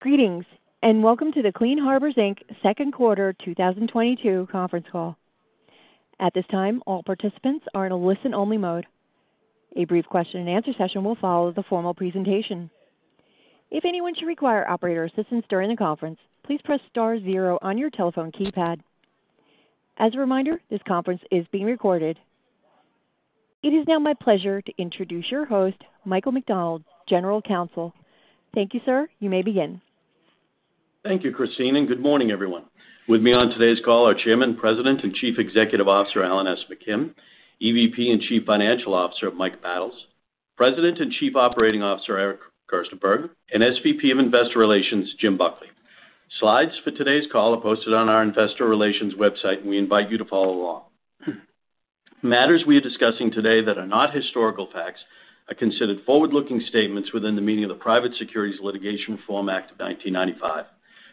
Greetings, and welcome to the Clean Harbors, Inc second quarter 2022 conference call. At this time, all participants are in a listen-only mode. A brief question-and-answer session will follow the formal presentation. If anyone should require operator assistance during the conference, please press star zero on your telephone keypad. As a reminder, this conference is being recorded. It is now my pleasure to introduce your host, Michael McDonald, General Counsel. Thank you, sir. You may begin. Thank you, Christine, and good morning, everyone. With me on today's call are Chairman, President, and Chief Executive Officer, Alan S. McKim, EVP and Chief Financial Officer, Mike Battles, President and Chief Operating Officer, Eric Gerstenberg, and SVP of Investor Relations, Jim Buckley. Slides for today's call are posted on our investor relations website, and we invite you to follow along. Matters we are discussing today that are not historical facts are considered forward-looking statements within the meaning of the Private Securities Litigation Reform Act of 1995.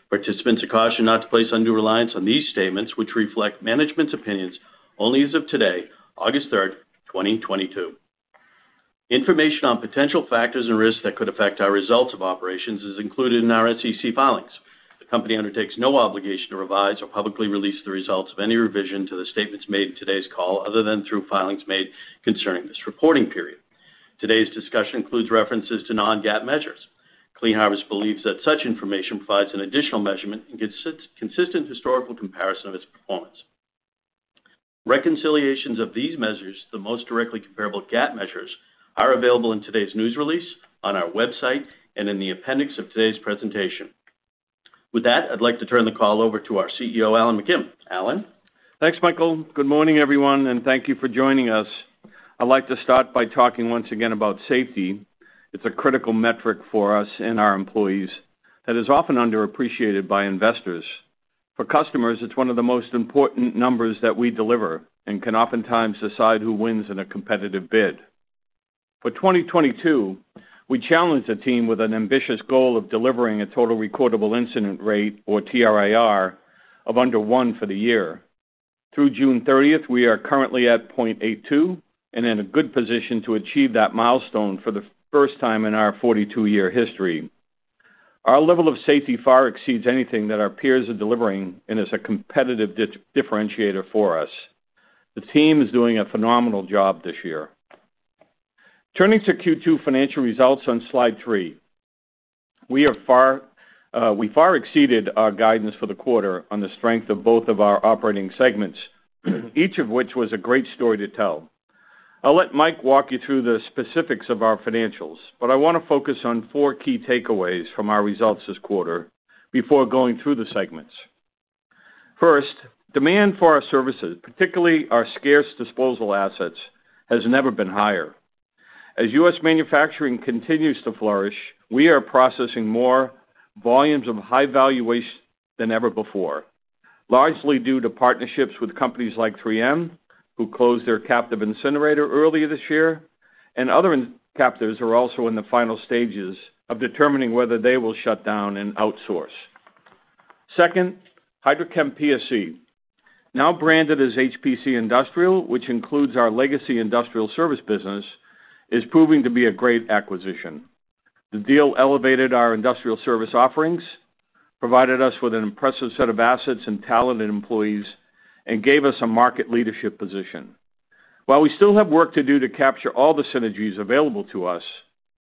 Participants are cautioned not to place undue reliance on these statements, which reflect management's opinions only as of today, August 3rd, 2022. Information on potential factors and risks that could affect our results of operations is included in our SEC filings. The company undertakes no obligation to revise or publicly release the results of any revision to the statements made in today's call other than through filings made concerning this reporting period. Today's discussion includes references to non-GAAP measures. Clean Harbors believes that such information provides an additional measurement and gives such consistent historical comparison of its performance. Reconciliations of these measures to the most directly comparable GAAP measures are available in today's news release, on our website, and in the appendix of today's presentation. With that, I'd like to turn the call over to our CEO, Alan McKim. Alan? Thanks, Michael. Good morning, everyone, and thank you for joining us. I'd like to start by talking once again about safety. It's a critical metric for us and our employees that is often underappreciated by investors. For customers, it's one of the most important numbers that we deliver and can oftentimes decide who wins in a competitive bid. For 2022, we challenged the team with an ambitious goal of delivering a total recordable incident rate or TRIR of under 1.0 For the year. Through June 30th, we are currently at 0.82 and in a good position to achieve that milestone for the first time in our 42-year history. Our level of safety far exceeds anything that our peers are delivering and is a competitive differentiator for us. The team is doing a phenomenal job this year. Turning to Q2 financial results on Slide 3. We are far. We far exceeded our guidance for the quarter on the strength of both of our operating segments, each of which was a great story to tell. I'll let Mike walk you through the specifics of our financials, but I wanna focus on four key takeaways from our results this quarter before going through the segments. First, demand for our services, particularly our scarce disposal assets, has never been higher. As U.S. manufacturing continues to flourish, we are processing more volumes of high-value waste than ever before, largely due to partnerships with companies like 3M, who closed their captive incinerator earlier this year, and other captives are also in the final stages of determining whether they will shut down and outsource. Second, HydroChemPSC, now branded as HPC Industrial, which includes our legacy industrial service business, is proving to be a great acquisition. The deal elevated our industrial service offerings, provided us with an impressive set of assets and talented employees, and gave us a market leadership position. While we still have work to do to capture all the synergies available to us,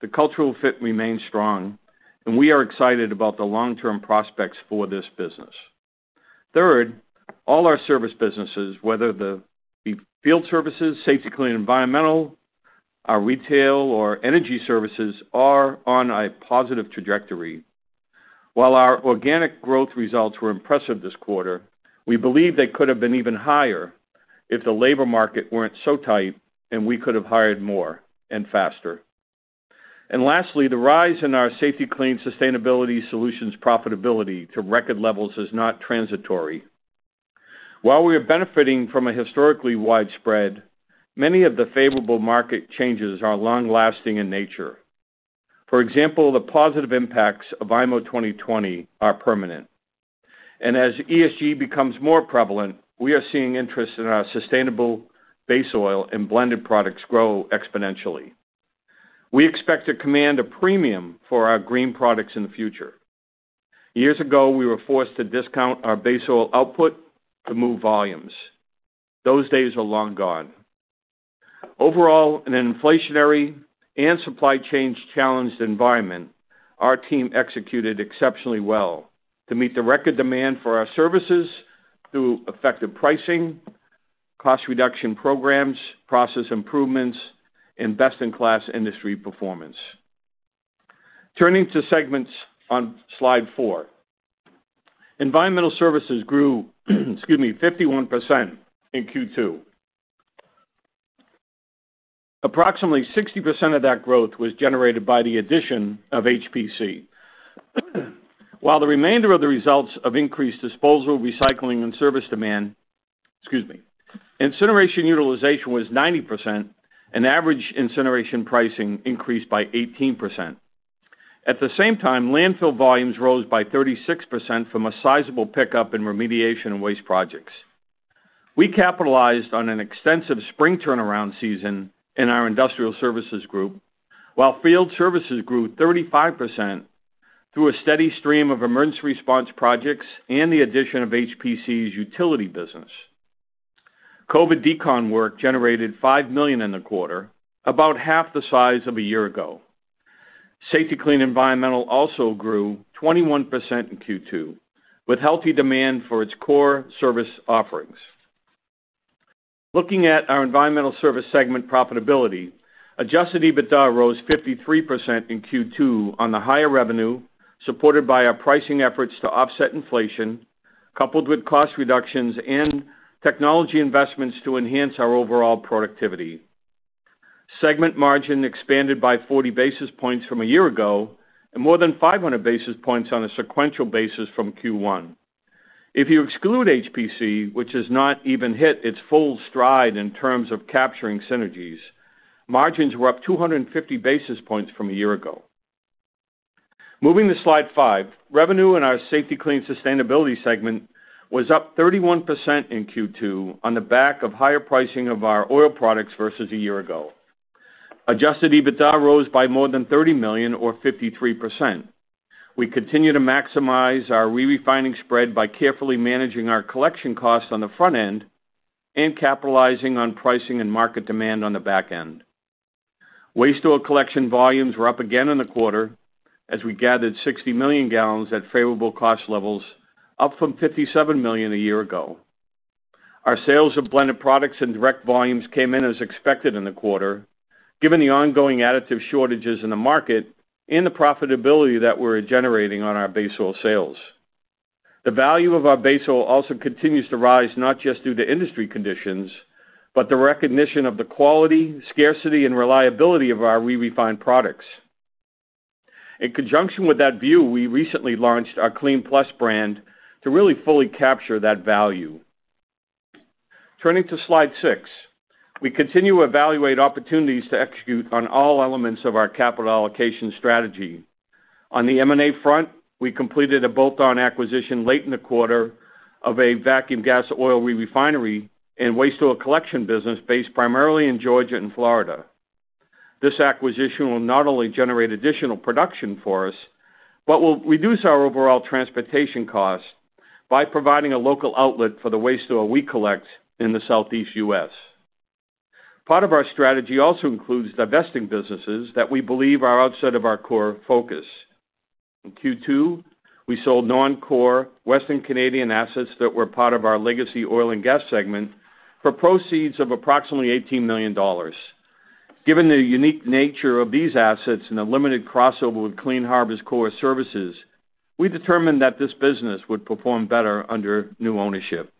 the cultural fit remains strong, and we are excited about the long-term prospects for this business. Third, all our service businesses, whether the Field Services, Safety-Kleen Environmental, our retail or energy services, are on a positive trajectory. While our organic growth results were impressive this quarter, we believe they could have been even higher if the labor market weren't so tight and we could have hired more and faster. Lastly, the rise in our Safety-Kleen Sustainability Solutions profitability to record levels is not transitory. While we are benefiting from a historically wide spread, many of the favorable market changes are long-lasting in nature. For example, the positive impacts of IMO 2020 are permanent. As ESG becomes more prevalent, we are seeing interest in our sustainable base oil and blended products grow exponentially. We expect to command a premium for our green products in the future. Years ago, we were forced to discount our base oil output to move volumes. Those days are long gone. Overall, in an inflationary and supply chain challenged environment, our team executed exceptionally well to meet the record demand for our services through effective pricing, cost reduction programs, process improvements, and best-in-class industry performance. Turning to segments on Slide 4. Environmental Services grew, excuse me, 51% in Q2. Approximately 60% of that growth was generated by the addition of HPC. While the remainder of the results of increased disposal, recycling, and service demand. Excuse me. Incineration utilization was 90%, and average incineration pricing increased by 18%. At the same time, landfill volumes rose by 36% from a sizable pickup in remediation and waste projects. We capitalized on an extensive spring turnaround season in our Industrial Services group, while Field Services grew 35% through a steady stream of emergency response projects and the addition of HPC's utility business. COVID decon work generated $5 million in the quarter, about half the size of a year ago. Safety-Kleen Environmental also grew 21% in Q2, with healthy demand for its core service offerings. Looking at our Environmental Service segment profitability, adjusted EBITDA rose 53% in Q2 on the higher revenue, supported by our pricing efforts to offset inflation, coupled with cost reductions and technology investments to enhance our overall productivity. Segment margin expanded by 40 basis points from a year ago and more than 500 basis points on a sequential basis from Q1. If you exclude HPC, which has not even hit its full stride in terms of capturing synergies, margins were up 250 basis points from a year ago. Moving to Slide 5. Revenue in our Safety-Kleen Sustainability segment was up 31% in Q2 on the back of higher pricing of our oil products versus a year ago. Adjusted EBITDA rose by more than $30 million or 53%. We continue to maximize our re-refining spread by carefully managing our collection costs on the front end and capitalizing on pricing and market demand on the back end. Waste oil collection volumes were up again in the quarter as we gathered 60 million gallons at favorable cost levels, up from 57 million a year ago. Our sales of blended products and direct volumes came in as expected in the quarter, given the ongoing additive shortages in the market and the profitability that we're generating on our base oil sales. The value of our base oil also continues to rise not just due to industry conditions, but the recognition of the quality, scarcity, and reliability of our re-refined products. In conjunction with that view, we recently launched our KLEEN+ brand to really fully capture that value. Turning to Slide 6. We continue to evaluate opportunities to execute on all elements of our capital allocation strategy. On the M&A front, we completed a bolt-on acquisition late in the quarter of a vacuum gas oil re-refinery and waste oil collection business based primarily in Georgia and Florida. This acquisition will not only generate additional production for us, but will reduce our overall transportation costs by providing a local outlet for the waste oil we collect in the Southeast U.S. Part of our strategy also includes divesting businesses that we believe are outside of our core focus. In Q2, we sold non-core Western Canadian assets that were part of our legacy oil and gas segment for proceeds of approximately $18 million. Given the unique nature of these assets and the limited crossover with Clean Harbors' core services, we determined that this business would perform better under new ownership.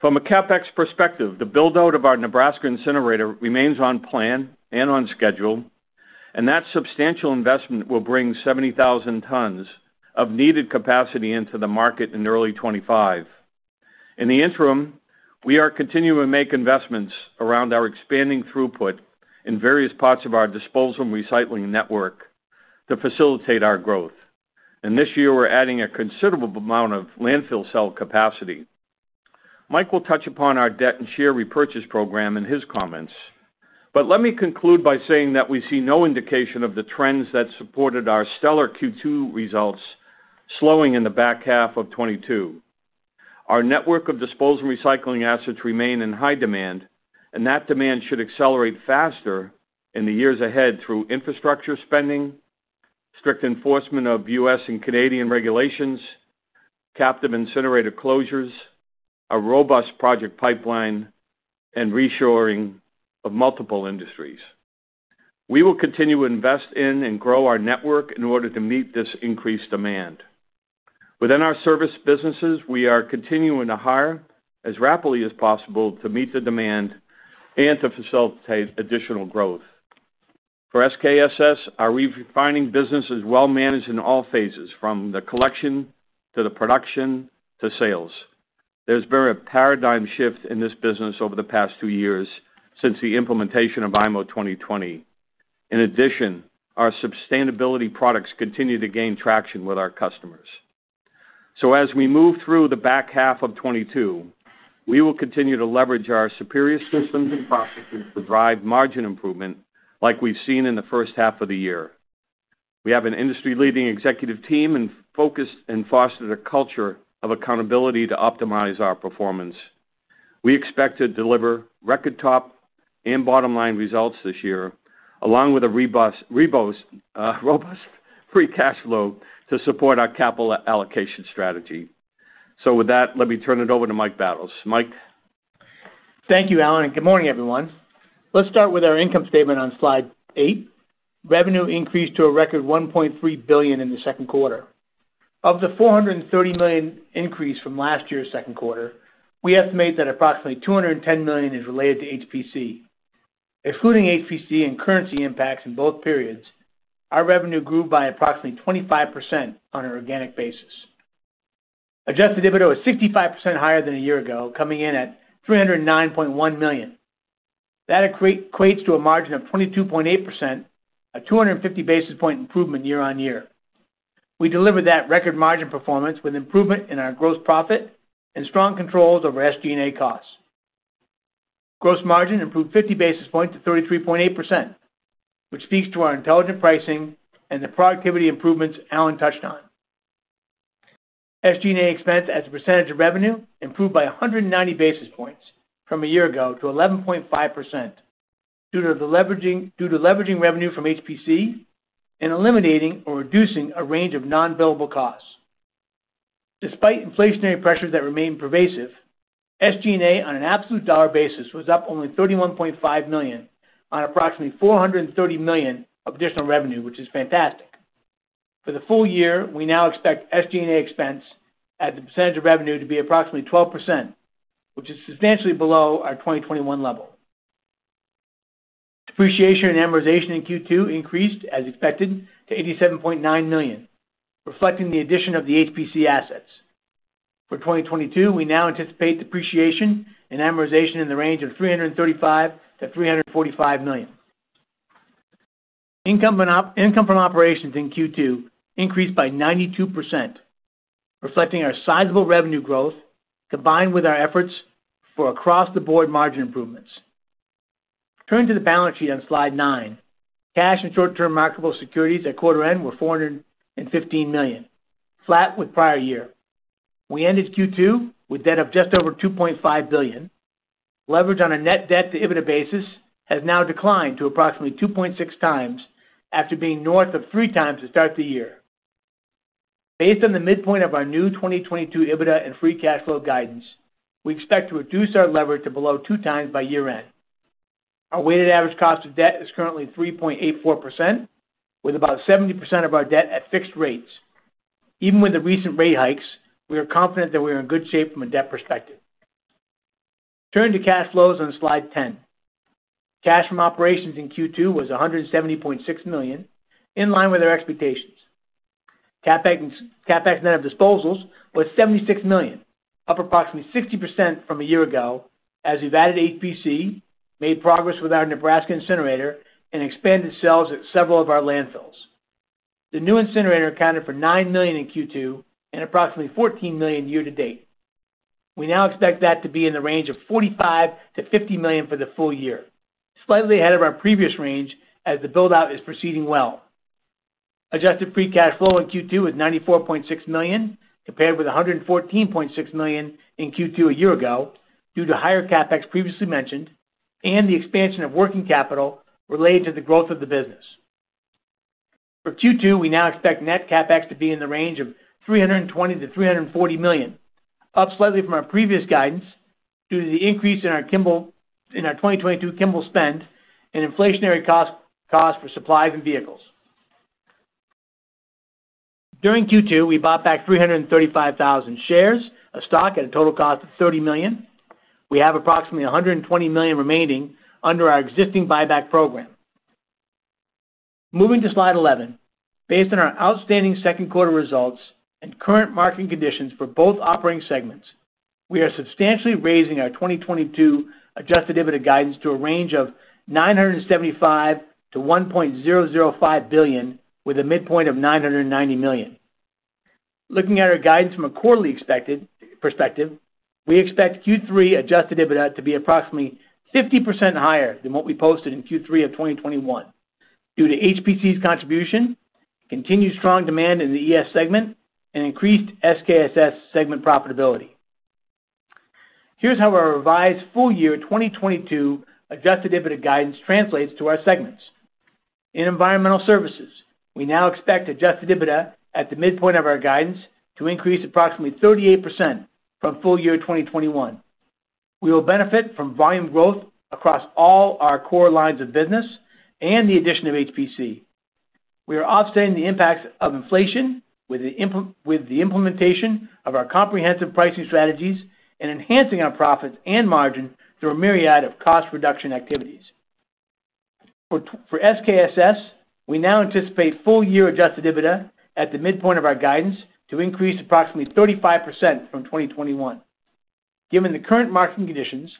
From a CapEx perspective, the build-out of our Nebraska incinerator remains on plan and on schedule, and that substantial investment will bring 70,000 tons of needed capacity into the market in early 2025. In the interim, we are continuing to make investments around our expanding throughput in various parts of our disposal and recycling network to facilitate our growth. This year, we're adding a considerable amount of landfill cell capacity. Mike will touch upon our debt and share repurchase program in his comments, but let me conclude by saying that we see no indication of the trends that supported our stellar Q2 results slowing in the back half of 2022. Our network of disposal and recycling assets remain in high demand, and that demand should accelerate faster in the years ahead through infrastructure spending, strict enforcement of U.S. and Canadian regulations, captive incinerator closures, a robust project pipeline, and reshoring of multiple industries. We will continue to invest in and grow our network in order to meet this increased demand. Within our service businesses, we are continuing to hire as rapidly as possible to meet the demand and to facilitate additional growth. For SKSS, our refining business is well managed in all phases, from the collection to the production to sales. There's been a paradigm shift in this business over the past two years since the implementation of IMO 2020. In addition, our sustainability products continue to gain traction with our customers. As we move through the back half of 2022, we will continue to leverage our superior systems and processes to drive margin improvement like we've seen in the first half of the year. We have an industry-leading executive team and focus and foster the culture of accountability to optimize our performance. We expect to deliver record top and bottom line results this year, along with a robust free cash flow to support our capital allocation strategy. With that, let me turn it over to Mike Battles. Mike? Thank you, Alan, and good morning, everyone. Let's start with our income statement on Slide 8. Revenue increased to a record $1.3 billion in the second quarter. Of the $430 million increase from last year's second quarter, we estimate that approximately $210 million is related to HPC. Excluding HPC and currency impacts in both periods, our revenue grew by approximately 25% on an organic basis. Adjusted EBITDA was 65% higher than a year ago, coming in at $309.1 million. That equates to a margin of 22.8%, a 250 basis point improvement year-on-year. We delivered that record margin performance with improvement in our gross profit and strong controls over SG&A costs. Gross margin improved 50 basis points to 33.8%, which speaks to our intelligent pricing and the productivity improvements Alan touched on. SG&A expense as a percentage of revenue improved by 190 basis points from a year ago to 11.5% due to leveraging revenue from HPC and eliminating or reducing a range of non-billable costs. Despite inflationary pressures that remain pervasive, SG&A on an absolute dollar basis was up only $31.5 million on approximately $430 million of additional revenue, which is fantastic. For the full year, we now expect SG&A expense as a percentage of revenue to be approximately 12%, which is substantially below our 2021 level. Depreciation and amortization in Q2 increased as expected to $87.9 million, reflecting the addition of the HPC assets. For 2022, we now anticipate depreciation and amortization in the range of $335 million-$345 million. Operating income from operations in Q2 increased by 92%, reflecting our sizable revenue growth, combined with our efforts for across-the-board margin improvements. Turning to the balance sheet on Slide 9, cash and short-term marketable securities at quarter end were $415 million, flat with prior year. We ended Q2 with debt of just over $2.5 billion. Leverage on a net debt to EBITDA basis has now declined to approximately 2.6x after being north of 3x to start the year. Based on the midpoint of our new 2022 EBITDA and free cash flow guidance, we expect to reduce our leverage to below 2x by year-end. Our weighted average cost of debt is currently 3.84%, with about 70% of our debt at fixed rates. Even with the recent rate hikes, we are confident that we are in good shape from a debt perspective. Turning to cash flows on Slide 10. Cash from operations in Q2 was $170.6 million, in line with our expectations. CapEx net of disposals was $76 million, up approximately 60% from a year ago, as we've added HPC, made progress with our Nebraska incinerator, and expanded sales at several of our landfills. The new incinerator accounted for $9 million in Q2 and approximately $14 million year-to-date. We now expect that to be in the range of $45 million-$50 million for the full year, slightly ahead of our previous range as the build-out is proceeding well. Adjusted free cash flow in Q2 was $94.6 million, compared with $114.6 million in Q2 a year ago due to higher CapEx previously mentioned and the expansion of working capital related to the growth of the business. For Q2, we now expect net CapEx to be in the range of $320 million-$340 million, up slightly from our previous guidance due to the increase in our Kimball- in our 2022 Kimball spend and inflationary cost for supplies and vehicles. During Q2, we bought back 335,000 shares of stock at a total cost of $30 million. We have approximately $120 million remaining under our existing buyback program. Moving to Slide 11. Based on our outstanding second quarter results and current market conditions for both operating segments, we are substantially raising our 2022 adjusted EBITDA guidance to a range of $975 million to $1.005 billion, with a midpoint of $990 million. Looking at our guidance from a quarterly perspective, we expect Q3 adjusted EBITDA to be approximately 50% higher than what we posted in Q3 of 2021 due to HPC's contribution, continued strong demand in the ES segment, and increased SKSS segment profitability. Here's how our revised full year 2022 adjusted EBITDA guidance translates to our segments. In Environmental Services, we now expect adjusted EBITDA at the midpoint of our guidance to increase approximately 38% from full year 2021. We will benefit from volume growth across all our core lines of business and the addition of HPC. We are offsetting the impacts of inflation with the implementation of our comprehensive pricing strategies and enhancing our profits and margin through a myriad of cost reduction activities. For SKSS, we now anticipate full year adjusted EBITDA at the midpoint of our guidance to increase approximately 35% from 2021. Given the current market conditions,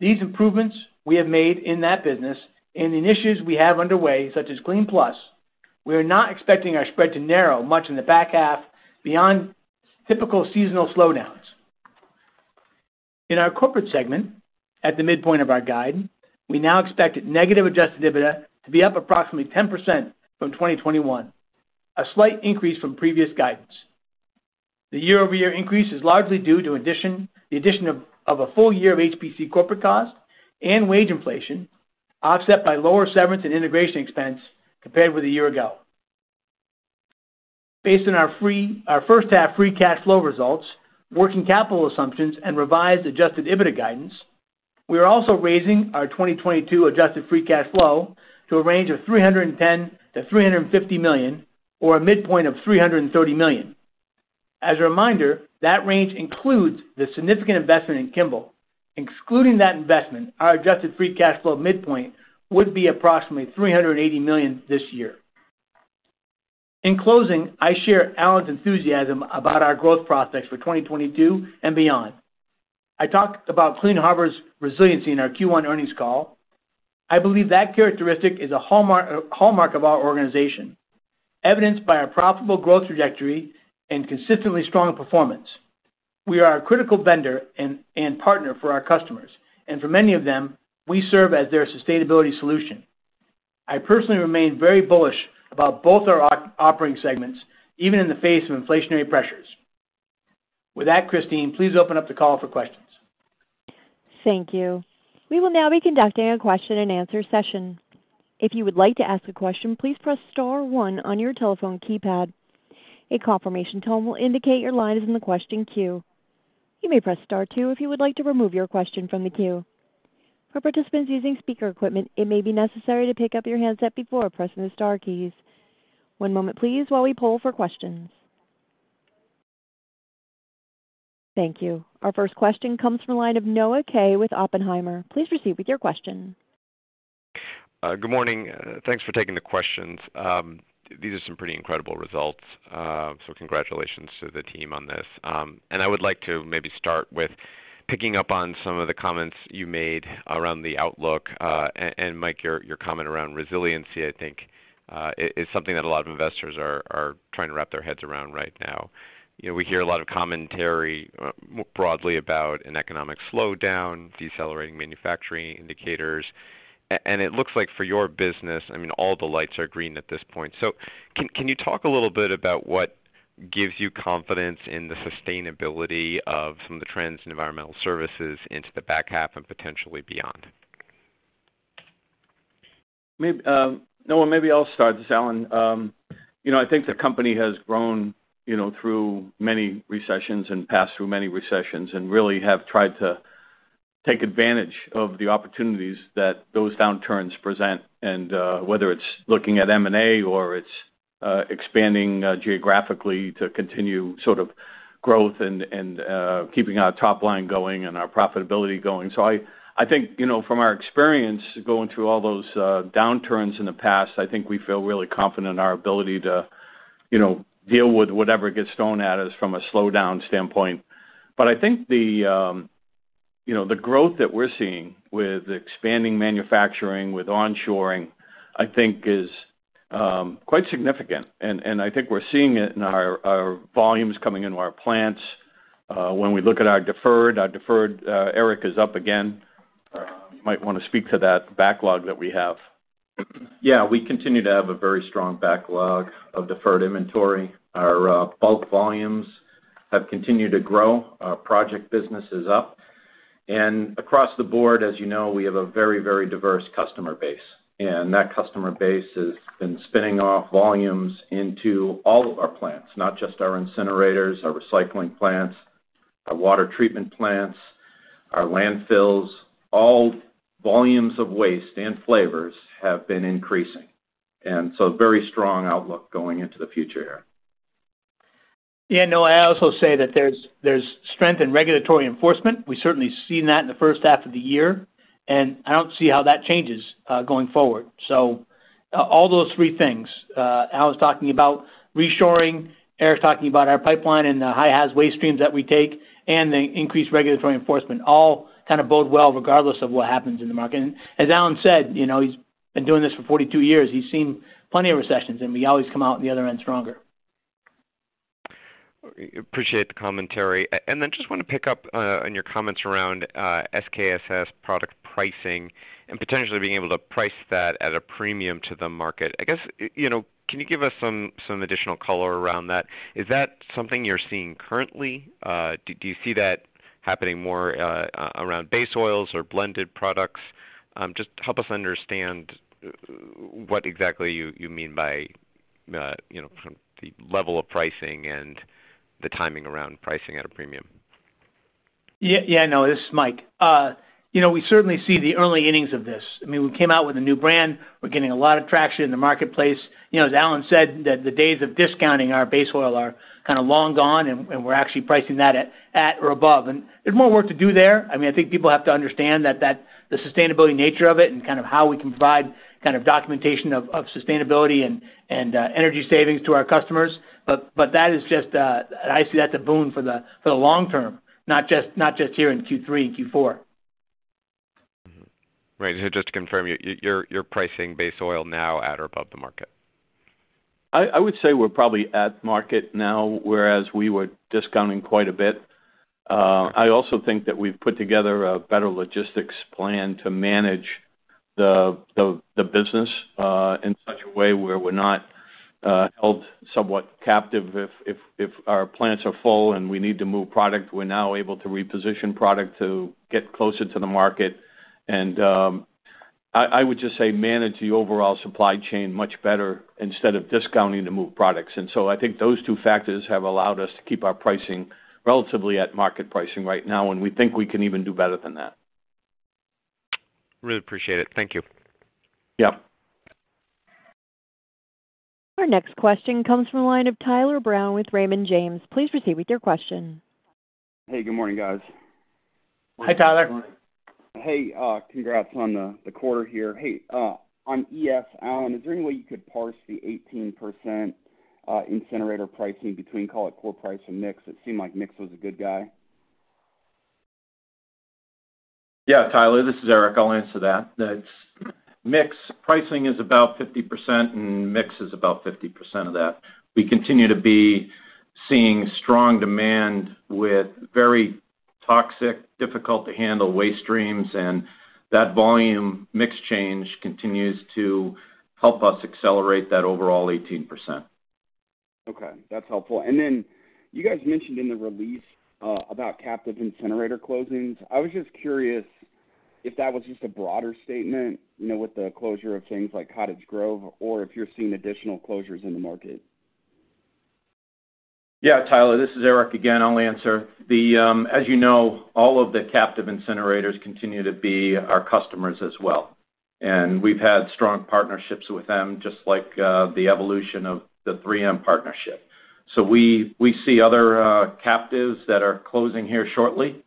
these improvements we have made in that business and initiatives we have underway, such as KLEEN+, we are not expecting our spread to narrow much in the back half beyond typical seasonal slowdowns. In our corporate segment, at the midpoint of our guide, we now expect negative adjusted EBITDA to be up approximately 10% from 2021, a slight increase from previous guidance. The year-over-year increase is largely due to the addition of a full year of HPC corporate cost and wage inflation, offset by lower severance and integration expense compared with a year ago. Based on our first half free cash flow results, working capital assumptions, and revised adjusted EBITDA guidance, we are also raising our 2022 adjusted free cash flow to a range of $310 million-$350 million, or a midpoint of $330 million. As a reminder, that range includes the significant investment in Kimball. Excluding that investment, our adjusted free cash flow midpoint would be approximately $380 million this year. In closing, I share Alan's enthusiasm about our growth prospects for 2022 and beyond. I talked about Clean Harbors' resiliency in our Q1 earnings call. I believe that characteristic is a hallmark of our organization, evidenced by our profitable growth trajectory and consistently strong performance. We are a critical vendor and partner for our customers, and for many of them, we serve as their sustainability solution. I personally remain very bullish about both our operating segments, even in the face of inflationary pressures. With that, Christine, please open up the call for questions. Thank you. We will now be conducting a question and answer session. If you would like to ask a question, please press star one on your telephone keypad. A confirmation tone will indicate your line is in the question queue. You may press star two if you would like to remove your question from the queue. For participants using speaker equipment, it may be necessary to pick up your handset before pressing the star keys. One moment please while we poll for questions. Thank you. Our first question comes from the line of Noah Kaye with Oppenheimer. Please proceed with your question. Good morning. Thanks for taking the questions. These are some pretty incredible results, so congratulations to the team on this. I would like to maybe start with picking up on some of the comments you made around the outlook, and Mike, your comment around resiliency I think, it is something that a lot of investors are trying to wrap their heads around right now. You know, we hear a lot of commentary, more broadly about an economic slowdown, decelerating manufacturing indicators. It looks like for your business, I mean, all the lights are green at this point. Can you talk a little bit about what gives you confidence in the sustainability of some of the trends in environmental services into the back half and potentially beyond? Noah, maybe I'll start. This is Alan. You know, I think the company has grown, you know, through many recessions and passed through many recessions and really have tried to take advantage of the opportunities that those downturns present. Whether it's looking at M&A or it's expanding geographically to continue sort of growth and keeping our top line going and our profitability going. I think, you know, from our experience going through all those downturns in the past, I think we feel really confident in our ability to, you know, deal with whatever gets thrown at us from a slowdown standpoint. I think the growth that we're seeing with expanding manufacturing, with onshoring, I think is quite significant. I think we're seeing it in our volumes coming into our plants. When we look at our deferred, Eric is up again. Might wanna speak to that backlog that we have. Yeah. We continue to have a very strong backlog of deferred inventory. Our bulk volumes have continued to grow. Our project business is up. Across the board, as you know, we have a very, very diverse customer base, and that customer base has been spinning off volumes into all of our plants, not just our incinerators, our recycling plants, our water treatment plants, our landfills. All volumes of waste and flavors have been increasing, and so very strong outlook going into the future here. Yeah, Noah, I also say that there's strength in regulatory enforcement. We've certainly seen that in the first half of the year, and I don't see how that changes going forward. All those three things, Alan's talking about reshoring, Eric talking about our pipeline and the high-hazard waste streams that we take, and the increased regulatory enforcement, all kind of bode well regardless of what happens in the market. As Alan said, you know, he's been doing this for 42 years. He's seen plenty of recessions, and we always come out the other end stronger. Appreciate the commentary. Then just wanna pick up on your comments around SKSS product pricing and potentially being able to price that at a premium to the market. I guess, you know, can you give us some additional color around that? Is that something you're seeing currently? Do you see that happening more around base oils or blended products? Just help us understand what exactly you mean by the level of pricing and the timing around pricing at a premium. Yeah, yeah, Noah, this is Mike. You know, we certainly see the early innings of this. I mean, we came out with a new brand. We're getting a lot of traction in the marketplace. You know, as Alan said, the days of discounting our base oil are kind of long gone, and we're actually pricing that at or above. There's more work to do there. I mean, I think people have to understand that the sustainability nature of it and kind of how we can provide kind of documentation of sustainability and energy savings to our customers. But that is just, I see that's a boon for the long term, not just here in Q3 and Q4. Right. Just to confirm, you're pricing base oil now at or above the market? I would say we're probably at market now, whereas we were discounting quite a bit. I also think that we've put together a better logistics plan to manage the business in such a way where we're not held somewhat captive if our plants are full and we need to move product. We're now able to reposition product to get closer to the market. I would just say manage the overall supply chain much better instead of discounting to move products. I think those two factors have allowed us to keep our pricing relatively at market pricing right now, and we think we can even do better than that. Really appreciate it. Thank you. Our next question comes from the line of Tyler Brown with Raymond James. Please proceed with your question. Hey, good morning, guys. Hi, Tyler. Hey, congrats on the quarter here. Hey, on ES, Alan, is there any way you could parse the 18% incinerator pricing between, call it, core price and mix? It seemed like mix was a good guy. Yeah, Tyler, this is Eric. I'll answer that. The mix pricing is about 50% and mix is about 50% of that. We continue to be seeing strong demand with very toxic, difficult to handle waste streams, and that volume mix change continues to help us accelerate that overall 18%. Okay, that's helpful. Then you guys mentioned in the release about captive incinerator closings. I was just curious if that was just a broader statement, you know, with the closure of things like Cottage Grove or if you're seeing additional closures in the market. Yeah, Tyler, this is Eric again. I'll answer. The, as you know, all of the captive incinerators continue to be our customers as well. We've had strong partnerships with them, just like, the evolution of the 3M partnership. We see other, captives that are closing here shortly,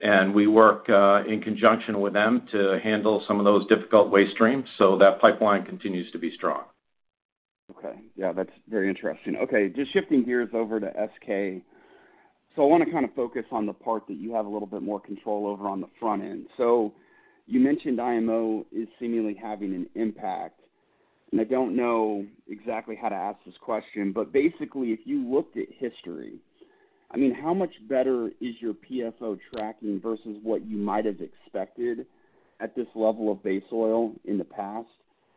and we work, in conjunction with them to handle some of those difficult waste streams, so that pipeline continues to be strong. Okay. Yeah, that's very interesting. Okay, just shifting gears over to SK. I wanna kinda focus on the part that you have a little bit more control over on the front end. You mentioned IMO is seemingly having an impact, and I don't know exactly how to ask this question, but basically, if you looked at history, I mean, how much better is your PFO tracking versus what you might have expected at this level of base oil in the past?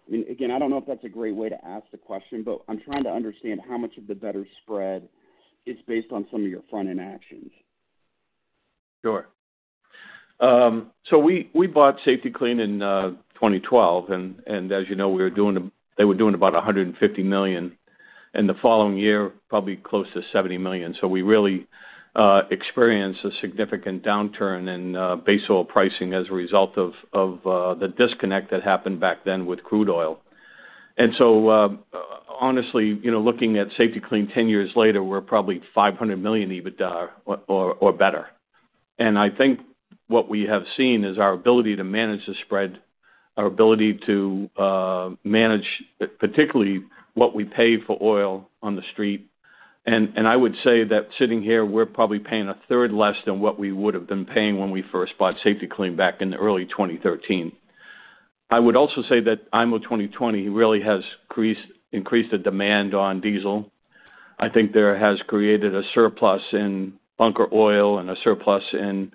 I mean, again, I don't know if that's a great way to ask the question, but I'm trying to understand how much of the better spread is based on some of your front-end actions. Sure. We bought Safety-Kleen in 2012 and as you know, they were doing about $150 million. In the following year, probably close to $70 million. We really experienced a significant downturn in base oil pricing as a result of the disconnect that happened back then with crude oil. Honestly, you know, looking at Safety-Kleen 10 years later, we're probably $500 million EBITDA or better. I think what we have seen is our ability to manage the spread, our ability to manage, particularly what we pay-for-oil on the street. I would say that sitting here, we're probably paying 1/3 less than what we would have been paying when we first bought Safety-Kleen back in early 2013. I would also say that IMO 2020 really has increased the demand on diesel. I think that it has created a surplus in bunker oil and a surplus in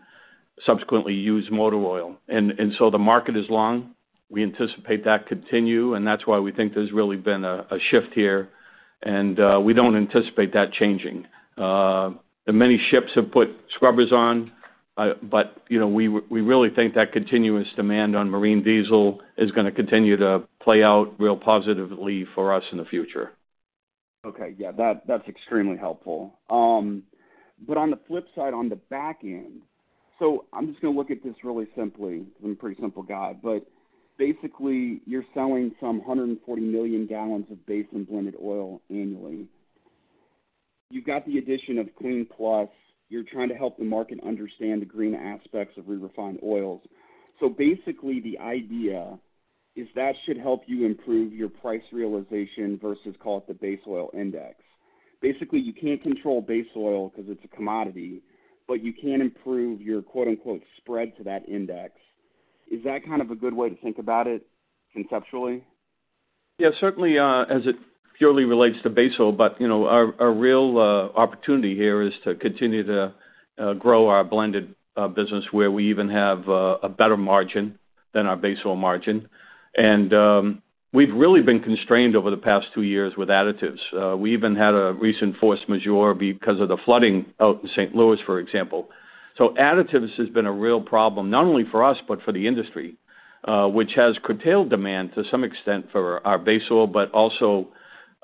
subsequently used motor oil. The market is long. We anticipate that continue, and that's why we think there's really been a shift here, and we don't anticipate that changing. Many ships have put scrubbers on, but you know, we really think that continuous demand on marine diesel is gonna continue to play out real positively for us in the future. Okay. Yeah. That's extremely helpful. On the flip side, on the back end, I'm just gonna look at this really simply, 'cause I'm a pretty simple guy. Basically, you're selling some 140 million gallons of base and blended oil annually. You've got the addition of KLEEN+. You're trying to help the market understand the green aspects of re-refined oils. Basically, the idea is that should help you improve your price realization versus, call it, the base oil index. You can't control base oil 'cause it's a commodity, but you can improve your "spreads" to that index. Is that kind of a good way to think about it conceptually? Yeah, certainly, as it purely relates to base oil, but you know, our real opportunity here is to continue to grow our blended business, where we even have a better margin than our base oil margin. We've really been constrained over the past two years with additives. We even had a recent force majeure because of the flooding out in St. Louis, for example. Additives has been a real problem, not only for us, but for the industry, which has curtailed demand to some extent for our base oil, but also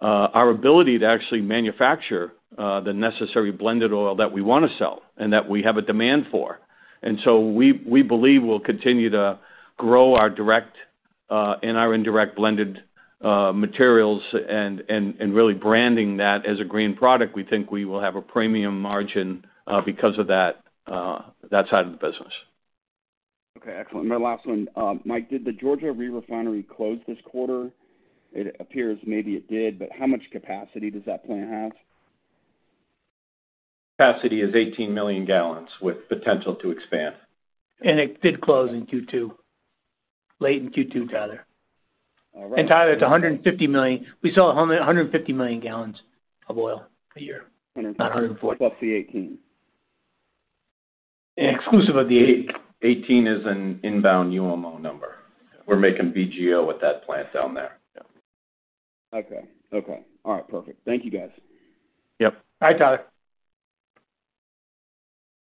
our ability to actually manufacture the necessary blended oil that we wanna sell and that we have a demand for. We believe we'll continue to grow our direct, and our indirect blended, materials and really branding that as a green product. We think we will have a premium margin, because of that side of the business. Okay, excellent. My last one. Mike, did the Georgia re-refinery close this quarter? It appears maybe it did, but how much capacity does that plant have? Capacity is 18 million gallons with potential to expand. It did close in Q2, late in Q2, Tyler. All right. Tyler, it's 150 million. We sold 150 million gallons of oil a year, not 140 million. Plus the 18 million. Exclusive of the 18 million is an inbound UMO number. We're making VGO with that plant down there. Okay. All right, perfect. Thank you, guys. Yep. Bye, Tyler.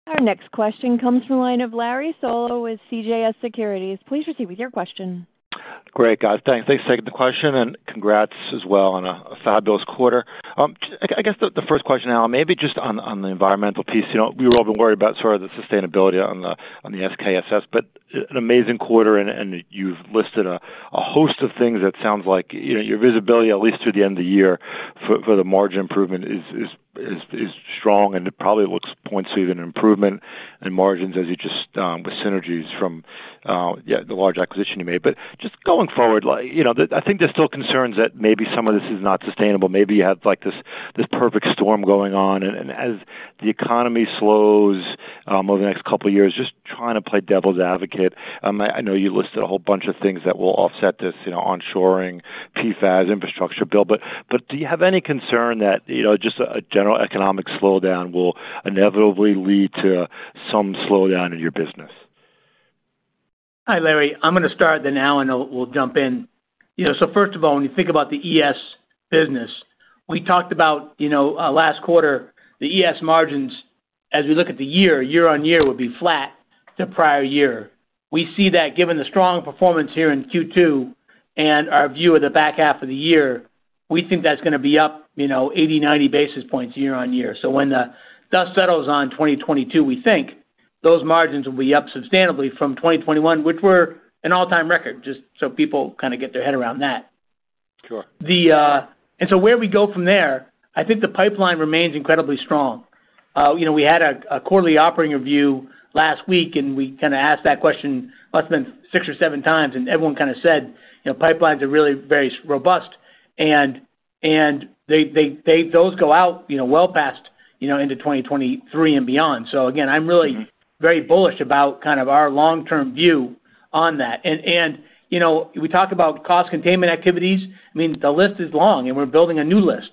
Our next question comes from the line of Larry Solow with CJS Securities. Please proceed with your question. Great, guys. Thanks. Thanks for taking the question, and congrats as well on a fabulous quarter. I guess the first question, Alan, maybe just on the environmental piece. You know, we've all been worried about sort of the sustainability on the SKSS, but an amazing quarter, and you've listed a host of things that sounds like, you know, your visibility at least through the end of the year for the margin improvement is strong and it probably points to even improvement in margins with synergies from the large acquisition you made. Just going forward, like, you know, I think there's still concerns that maybe some of this is not sustainable. Maybe you had, like, this perfect storm going on. As the economy slows over the next couple years, just trying to play devil's advocate. I know you listed a whole bunch of things that will offset this, you know, onshoring PFAS infrastructure bill. But do you have any concern that, you know, just a general economic slowdown will inevitably lead to some slowdown in your business? Hi, Larry. I'm gonna start then Alan will jump in. You know, first of all, when you think about the ES business, we talked about, you know, last quarter, the ES margins as we look at the year-on-year would be flat to prior year. We see that given the strong performance here in Q2 and our view of the back half of the year, we think that's gonna be up, you know, 80 basis points-90 basis points year-on-year. When the dust settles on 2022, we think those margins will be up substantially from 2021, which were an all-time record, just so people kind of get their head around that. Sure. Where we go from there, I think the pipeline remains incredibly strong. You know, we had a quarterly operating review last week, and we kind of asked that question must have been 6x or 7x, and everyone kind of said, you know, "Pipelines are really very robust." Those go out, you know, well past, you know, into 2023 and beyond. Again, I'm really very bullish about kind of our long-term view on that. You know, we talk about cost containment activities. I mean, the list is long, and we're building a new list.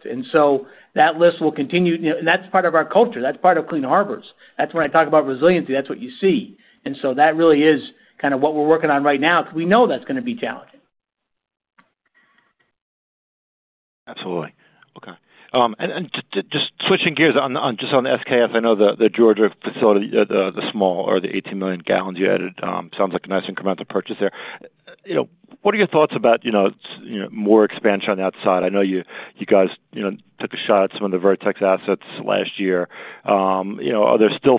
That list will continue. You know, that's part of our culture. That's part of Clean Harbors. That's when I talk about resiliency, that's what you see. That really is kind of what we're working on right now because we know that's gonna be challenging. Absolutely. Okay. And just switching gears on- just on SKSS, I know the Georgia facility, the small or the 18 million gallons you added, sounds like a nice incremental purchase there. You know, what are your thoughts about, you know, more expansion on that side? I know you guys, you know, took a shot at some of the Vertex assets last year. You know, are there still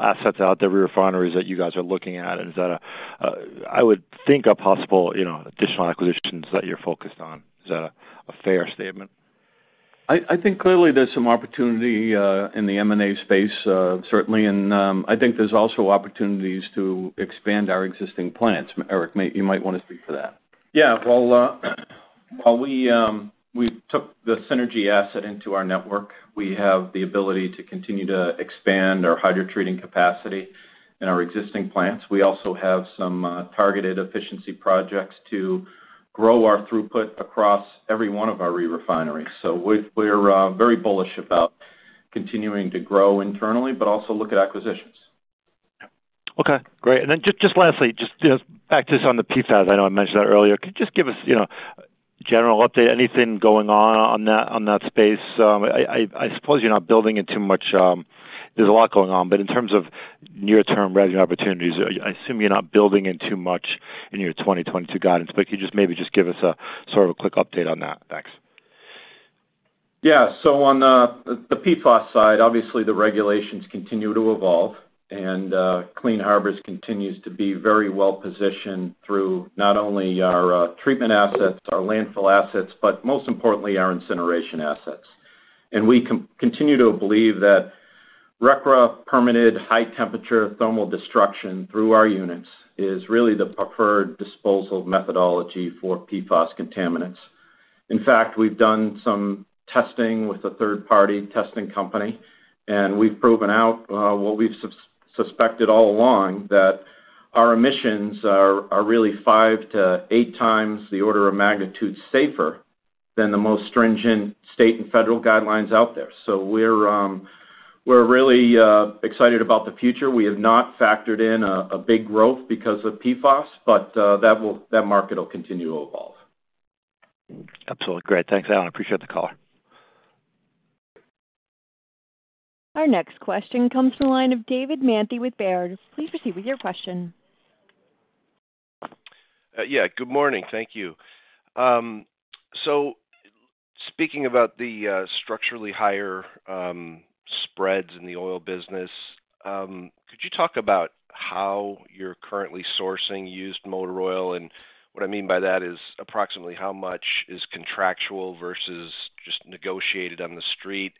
assets out there, re-refineries that you guys are looking at? Is that an area I would think of as possible, you know, additional acquisitions that you're focused on. Is that a fair statement? I think clearly there's some opportunity in the M&A space, certainly. I think there's also opportunities to expand our existing plants. Eric, you might wanna speak to that. Well, while we took the Synergy asset into our network, we have the ability to continue to expand our hydrotreating capacity in our existing plants. We also have some targeted efficiency projects to grow our throughput across every one of our re-refineries. We're very bullish about continuing to grow internally but also look at acquisitions. Okay. Great. Just lastly, you know, back just on the PFAS. I know I mentioned that earlier. Could you just give us, you know, general update, anything going on that space? I suppose you're not building it too much. There's a lot going on. In terms of near-term revenue opportunities, I assume you're not building in too much in your 2022 guidance. Could you just maybe just give us a sort of a quick update on that? Thanks. Yeah. On the PFAS side, obviously the regulations continue to evolve. Clean Harbors continues to be very well positioned through not only our treatment assets, our landfill assets, but most importantly, our incineration assets. We continue to believe that RCRA-permitted high-temperature thermal destruction through our units is really the preferred disposal methodology for PFAS contaminants. In fact, we've done some testing with a third party testing company. We've proven out what we've suspected all along, that our emissions are really 5x-8x the order of magnitude safer than the most stringent state and federal guidelines out there. We're really excited about the future. We have not factored in a big growth because of PFAS, but that market will continue to evolve. Absolutely. Great. Thanks, Alan. I appreciate the call. Our next question comes from the line of David Manthey with Baird. Please proceed with your question. Yeah, good morning. Thank you. Speaking about the structurally higher spreads in the oil business, could you talk about how you're currently sourcing used motor oil? What I mean by that is approximately how much is contractual versus just negotiated on the street.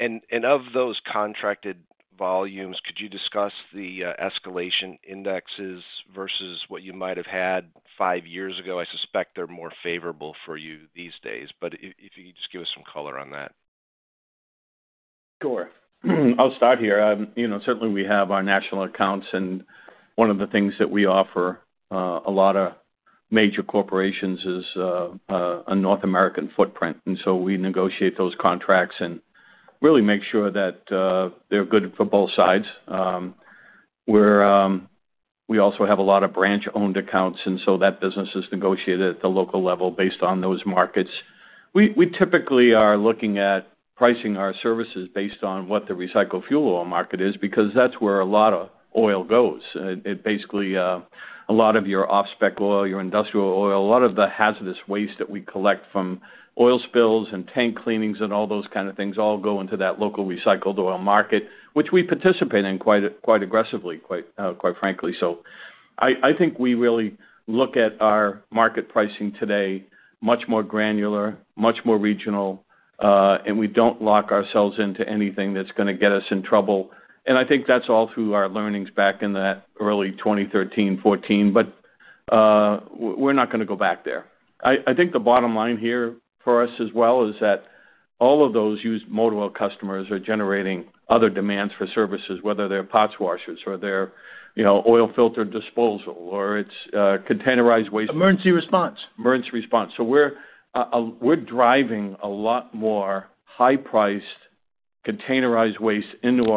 Of those contracted volumes, could you discuss the escalation indexes versus what you might have had five years ago? I suspect they're more favorable for you these days. If you could just give us some color on that. Sure. I'll start here. You know, certainly we have our national accounts. One of the things that we offer a lot of major corporations is a North American footprint. We negotiate those contracts and really make sure that they're good for both sides. We also have a lot of branch-owned accounts, and so that business is negotiated at the local level based on those markets. We typically are looking at pricing our services based on what the recycled fuel oil market is because that's where a lot of oil goes. It basically a lot of your off-spec oil, your industrial oil, a lot of the hazardous waste that we collect from oil spills and tank cleanings and all those kind of things all go into that local recycled oil market, which we participate in quite aggressively, quite frankly. I think we really look at our market pricing today much more granular, much more regional, and we don't lock ourselves into anything that's gonna get us in trouble. I think that's all through our learnings back in that early 2013, 2014. We're not gonna go back there. I think the bottom line here for us as well is that all of those used motor oil customers are generating other demands for services, whether they're parts washers or they're, you know, oil filter disposal, or it's containerized waste. Emergency response. Emergency response. We're driving a lot more high-priced containerized waste into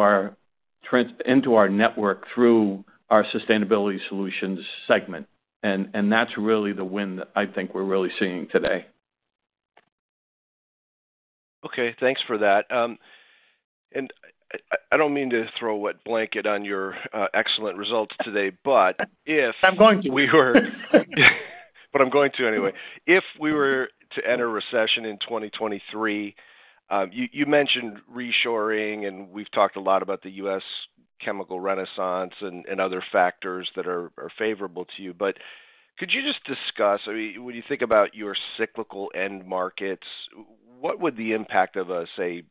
our network through our Sustainability Solutions segment, and that's really the win that I think we're really seeing today. Okay, thanks for that. I don't mean to throw a wet blanket on your excellent results today, but if You're going to. I'm going to anyway. If we were to enter a recession in 2023, you mentioned reshoring, and we've talked a lot about the U.S. chemical renaissance and other factors that are favorable to you. Could you just discuss. I mean, when you think about your cyclical end markets, what would the impact of a say,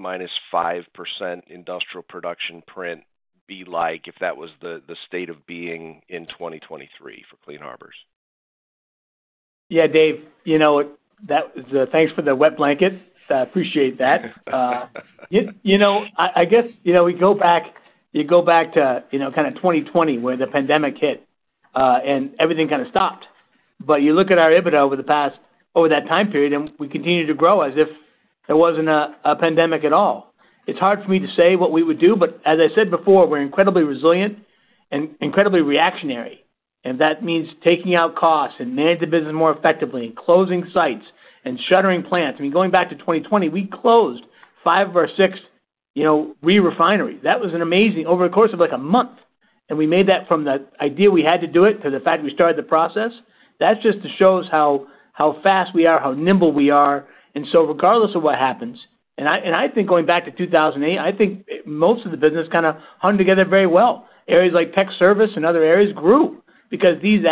-5% industrial production print be like if that was the state of being in 2023 for Clean Harbors? Yeah, Dave, you know, that, thanks for the wet blanket. I appreciate that. You know, I guess, you know, you go back to, you know, kinda 2020 when the pandemic hit, and everything kinda stopped. You look at our EBITDA over the past, over that time period, and we continued to grow as if there wasn't a pandemic at all. It's hard for me to say what we would do, but as I said before, we're incredibly resilient and incredibly reactionary. That means taking out costs and manage the business more effectively and closing sites and shuttering plants. I mean, going back to 2020, we closed five of our six, you know, re-refineries. That was an amazing over the course of, like, a month. We made that from the idea we had to do it to the fact we started the process. That just shows how fast we are, how nimble we are. Regardless of what happens, I think going back to 2008, I think most of the business kinda hung together very well. Areas like tech service and other areas grew because these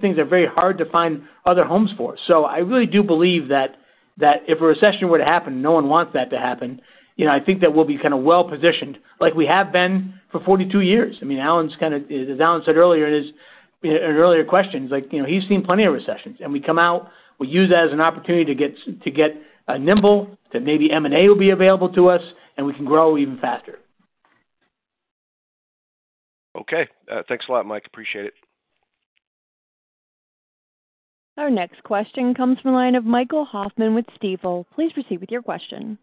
things are very hard to find other homes for. I really do believe that if a recession were to happen, no one wants that to happen, you know, I think that we'll be kinda well positioned like we have been for 42 years. I mean, Alan's kinda- as Alan said earlier in his earlier questions, like, you know, he's seen plenty of recessions. We come out, we use that as an opportunity to get nimble, that maybe M&A will be available to us, and we can grow even faster. Okay. Thanks a lot, Mike. Appreciate it. Our next question comes from the line of Michael Hoffman with Stifel. Please proceed with your question.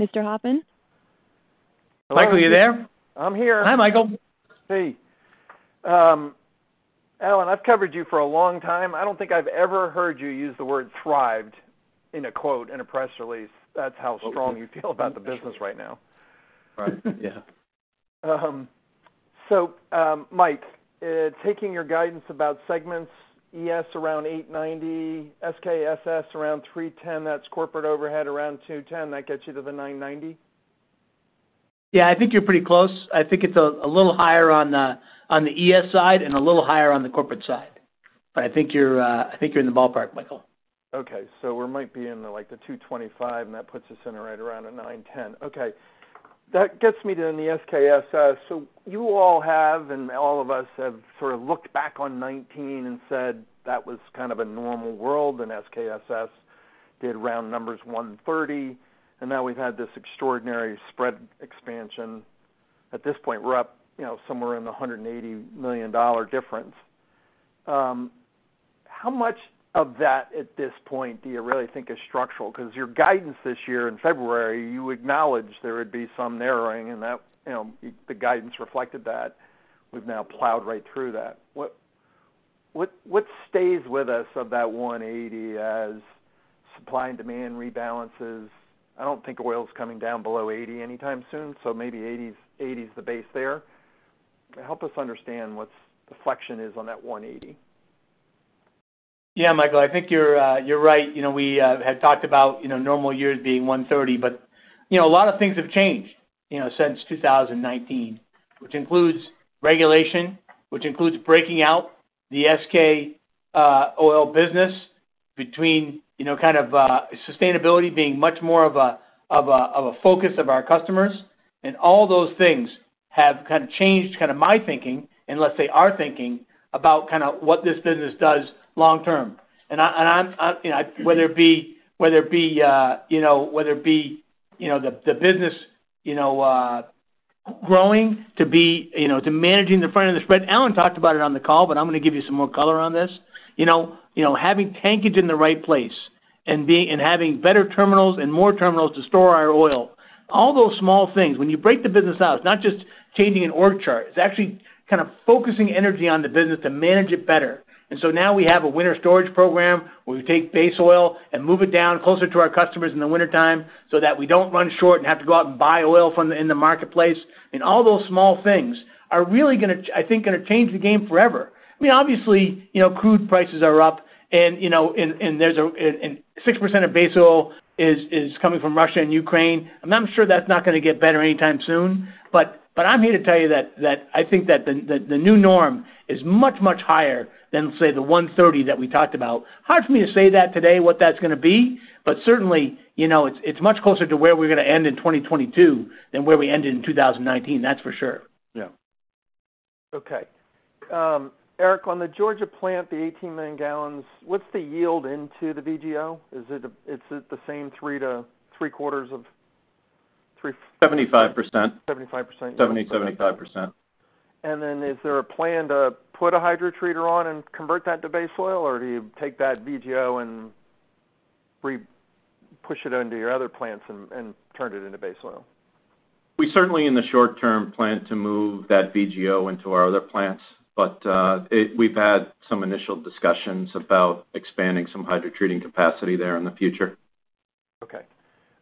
Mr. Hoffman? Michael, are you there? I'm here. Hi, Michael. Hey. Alan, I've covered you for a long time. I don't think I've ever heard you use the word thrived in a quote in a press release. That's how strong you feel about the business right now. Right. Yeah. Mike, taking your guidance about segments, ES around $890 million, SKSS around $310 million, that's corporate overhead around $210 million, that gets you to the $990 million? Yeah. I think you're pretty close. I think it's a little higher on the ES side and a little higher on the corporate side. I think you're in the ballpark, Michael. Okay. We might be in the, like, the $225 million, and that puts us in right around a $910 million. Okay. That gets me to the SKSS. You all have, and all of us have sort of looked back on 2019 and said, "That was kind of a normal world in SKSS." Did around numbers, $130 million. Now we've had this extraordinary spread expansion. At this point, we're up, you know, somewhere in the $180 million difference. How much of that at this point do you really think is structural? 'Cause your guidance this year in February, you acknowledged there would be some narrowing and that, you know, the guidance reflected that. We've now plowed right through that. What stays with us of that $180 million as supply and demand rebalances? I don't think oil's coming down below 80 anytime soon, so maybe 80s, 80 is the base there. Help us understand what reflection is on that $180 milliion. Yeah, Michael, I think you're right. You know, we had talked about normal years being $130 million, but you know, a lot of things have changed you know, since 2019, which includes regulation, which includes breaking out the SK oil business between you know, kind of sustainability being much more of a focus of our customers. All those things have kind of changed kind of my thinking, and let's say our thinking about what this business does long term. I'm you know, whether it be the business. Going to be, you know, to managing the front of the spread. Alan talked about it on the call, but I'm gonna give you some more color on this. You know, having tankage in the right place and being and having better terminals and more terminals to store our oil, all those small things. When you break the business out, it's not just changing an org chart, it's actually kind of focusing energy on the business to manage it better. Now we have a winter storage program where we take base oil and move it down closer to our customers in the wintertime so that we don't run short and have to go out and buy oil in the marketplace. All those small things are really gonna, I think, gonna change the game forever. I mean, obviously, you know, crude prices are up and, you know, 6% of base oil is coming from Russia and Ukraine, and I'm sure that's not gonna get better anytime soon. I'm here to tell you that I think that the new norm is much higher than, say, the $130 million that we talked about. Hard for me to say today what that's gonna be, but certainly, you know, it's much closer to where we're gonna end in 2022 than where we ended in 2019. That's for sure. Okay, Eric, on the Georgia plant, the 18 million gallons, what's the yield into the VGO? Is it the same 3 to 3/4 of 3? 75%. 75%. 70%-75%. Is there a plan to put a hydrotreater on and convert that to base oil? Do you take that VGO and re-push it onto your other plants and turn it into base oil? We certainly, in the short term, plan to move that VGO into our other plants, but we've had some initial discussions about expanding some hydrotreating capacity there in the future. Okay.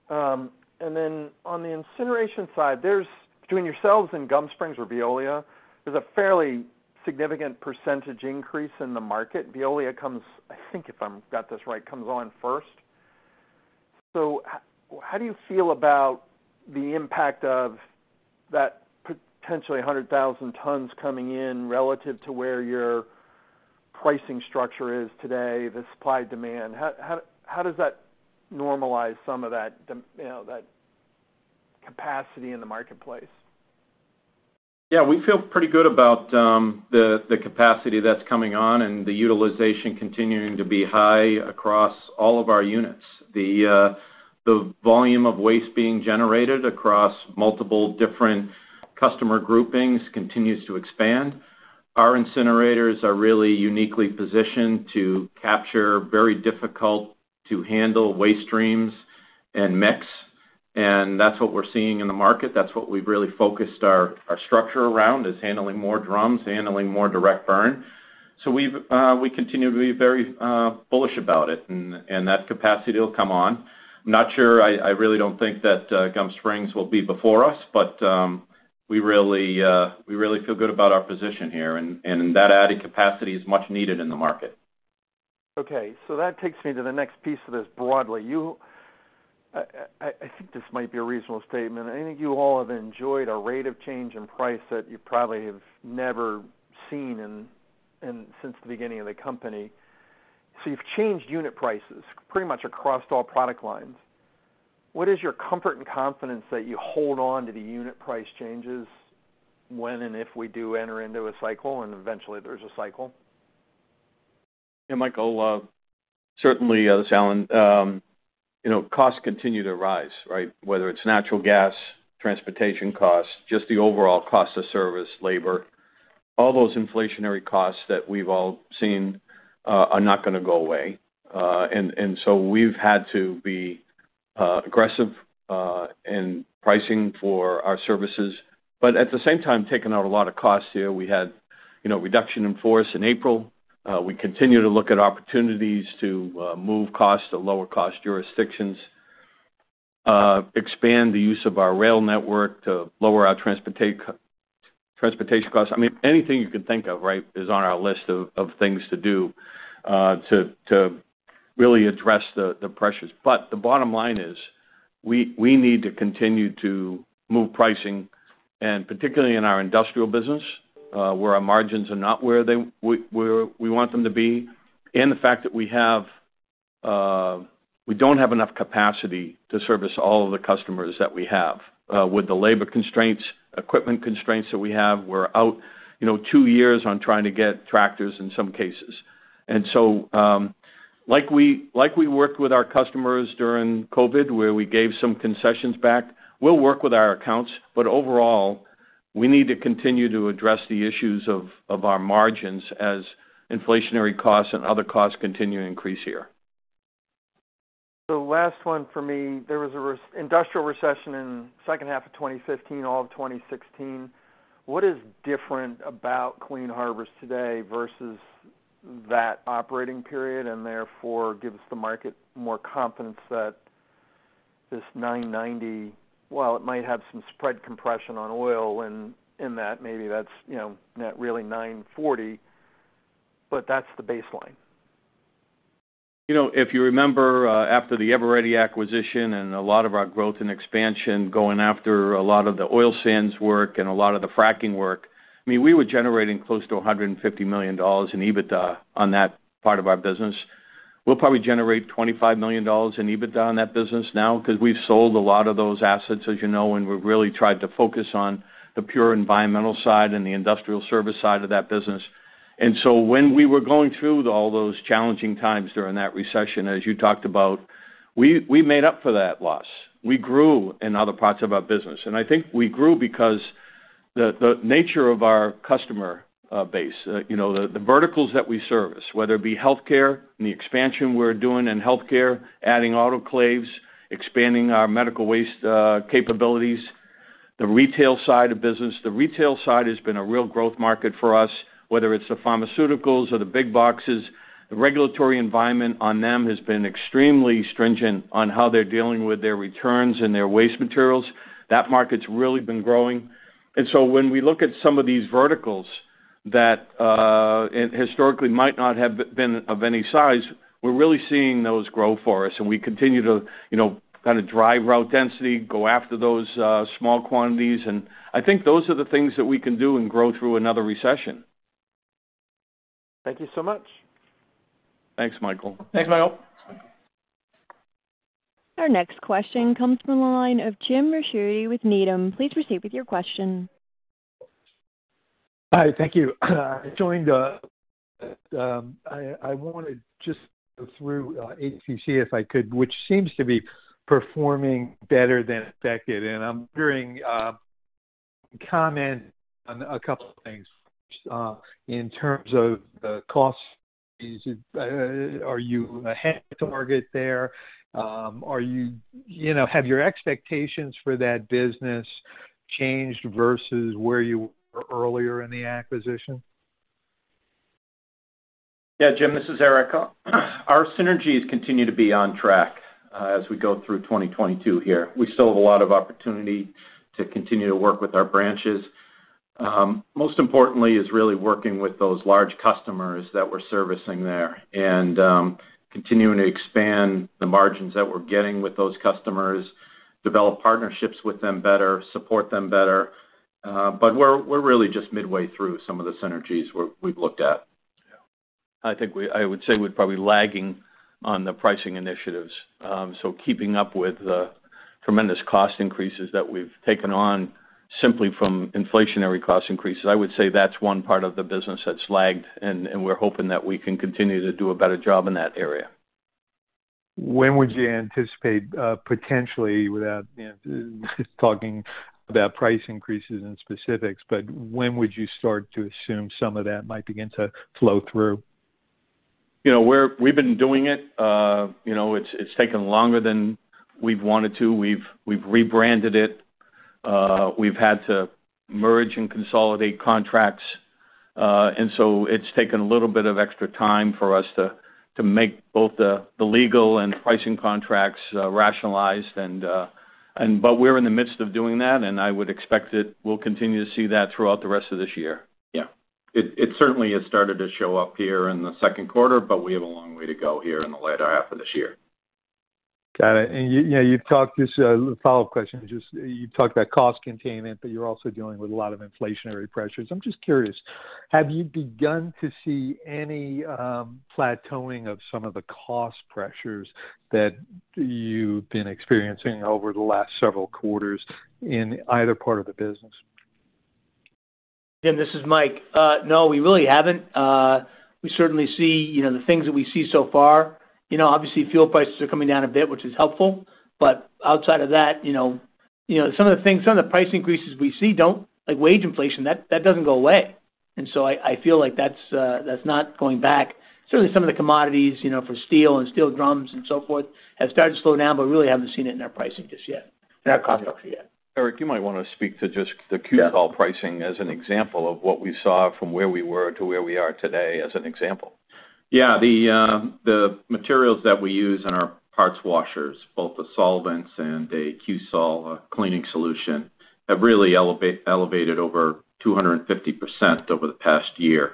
On the incineration side, there's between yourselves and Gum Springs or Veolia, there's a fairly significant percentage increase in the market. Veolia, I think if I'm got this right, comes on first. How do you feel about the impact of that potentially 100,000 tons coming in relative to where your pricing structure is today, the supply demand? How does that normalize some of that you know, that capacity in the marketplace? Yeah, we feel pretty good about the capacity that's coming on and the utilization continuing to be high across all of our units. The volume of waste being generated across multiple different customer groupings continues to expand. Our incinerators are really uniquely positioned to capture very difficult to handle waste streams and mix, and that's what we're seeing in the market. That's what we've really focused our structure around, is handling more drums, handling more direct burn. We continue to be very bullish about it and that capacity will come on. I'm not sure, I really don't think that Gum Springs will be before us, but we really feel good about our position here and that added capacity is much needed in the market. Okay, that takes me to the next piece of this broadly. I think this might be a reasonable statement, and I think you all have enjoyed a rate of change in price that you probably have never seen since the beginning of the company. You've changed unit prices pretty much across all product lines. What is your comfort and confidence that you hold on to the unit price changes when and if we do enter into a cycle and eventually there's a cycle? Yeah, Michael, certainly, this is Alan. You know, costs continue to rise, right? Whether it's natural gas, transportation costs, just the overall cost of service, labor. All those inflationary costs that we've all seen are not gonna go away. We've had to be aggressive in pricing for our services, but at the same time, taking out a lot of costs here. We had, you know, reduction in force in April. We continue to look at opportunities to move costs to lower cost jurisdictions, expand the use of our rail network to lower our transportation costs. I mean, anything you can think of, right, is on our list of things to do to really address the pressures. The bottom line is, we need to continue to move pricing, and particularly in our industrial business, where our margins are not where we want them to be, and the fact that we don't have enough capacity to service all of the customers that we have. With the labor constraints, equipment constraints that we have, we're out, you know, two years on trying to get tractors in some cases. Like we worked with our customers during COVID, where we gave some concessions back, we'll work with our accounts. Overall, we need to continue to address the issues of our margins as inflationary costs and other costs continue to increase here. Last one for me. There was a industrial recession in second half of 2015, all of 2016. What is different about Clean Harbors today versus that operating period and therefore gives the market more confidence that this $990 million, well, it might have some spread compression on oil and in that maybe that's, you know, net really $940 million, but that's the baseline. You know, if you remember, after the Eveready acquisition and a lot of our growth and expansion going after a lot of the oil sands work and a lot of the fracking work, I mean, we were generating close to $150 million in EBITDA on that part of our business. We'll probably generate $25 million in EBITDA on that business now because we've sold a lot of those assets, as you know, and we've really tried to focus on the pure environmental side and the industrial service side of that business. When we were going through all those challenging times during that recession, as you talked about, we made up for that loss. We grew in other parts of our business. I think we grew because the nature of our customer base, you know, the verticals that we service, whether it be healthcare and the expansion we're doing in healthcare, adding autoclaves, expanding our medical waste capabilities, the retail side of business. The retail side has been a real growth market for us, whether it's the pharmaceuticals or the big boxes. The regulatory environment on them has been extremely stringent on how they're dealing with their returns and their waste materials. That market's really been growing. When we look at some of these verticals that and historically might not have been of any size, we're really seeing those grow for us, and we continue to, you know, kinda drive route density, go after those small quantities. I think those are the things that we can do and grow through another recession. Thank you so much. Thanks, Michael. Thanks, Michael. Our next question comes from the line of Jim Ricchiuti with Needham. Please proceed with your question. Hi. Thank you. I want to just go through HPC, if I could, which seems to be performing better than expected, and I'm hearing comments on a couple of things. In terms of the costs, are you ahead of target there? Have your expectations for that business changed versus where you were earlier in the acquisition? Yeah, Jim, this is Eric. Our synergies continue to be on track as we go through 2022 here. We still have a lot of opportunity to continue to work with our branches. Most importantly is really working with those large customers that we're servicing there and continuing to expand the margins that we're getting with those customers, develop partnerships with them better, support them better. We're really just midway through some of the synergies we've looked at. Yeah. I think I would say we're probably lagging on the pricing initiatives. Keeping up with the tremendous cost increases that we've taken on simply from inflationary cost increases, I would say that's one part of the business that's lagged, and we're hoping that we can continue to do a better job in that area. When would you anticipate, potentially, without, you know, talking about price increases and specifics, but when would you start to assume some of that might begin to flow through? You know, we've been doing it. You know, it's taken longer than we've wanted to. We've rebranded it. We've had to merge and consolidate contracts, and so it's taken a little bit of extra time for us to make both the legal and the pricing contracts rationalized, and but we're in the midst of doing that, and I would expect that we'll continue to see that throughout the rest of this year. Yeah. It certainly has started to show up here in the second quarter, but we have a long way to go here in the latter half of this year. Got it. You know, just a follow-up question. You talked about cost containment, but you're also dealing with a lot of inflationary pressures. I'm just curious, have you begun to see any plateauing of some of the cost pressures that you've been experiencing over the last several quarters in either part of the business? Jim, this is Mike. No, we really haven't. We certainly see, you know, the things that we see so far. You know, obviously, fuel prices are coming down a bit, which is helpful. Outside of that, you know, some of the price increases we see. Like wage inflation, that doesn't go away, and so I feel like that's not going back. Certainly, some of the commodities, you know, for steel and steel drums and so forth have started to slow down, but we really haven't seen it in our pricing just yet, in our cost structure yet. Eric, you might wanna speak to just the QSOL pricing as an example of what we saw from where we were to where we are today, as an example. The materials that we use in our parts washers, both the solvents and the QSOL cleaning solution, have really elevated over 250% over the past year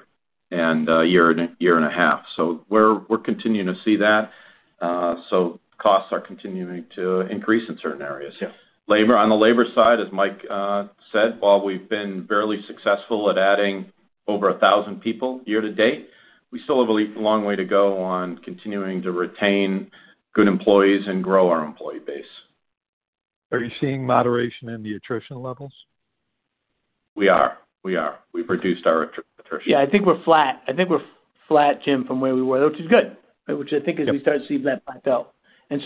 and a half. We're continuing to see that. Costs are continuing to increase in certain areas. Labor, on the labor side, as Mike said, while we've been fairly successful at adding over 1,000 people year-to-date, we still have a long way to go on continuing to retain good employees and grow our employee base. Are you seeing moderation in the attrition levels? We are. We've reduced our attrition. Yeah. I think we're flat, Jim, from where we were, which is good, which I think as we start to see that plateau, as